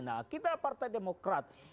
nah kita partai demokrat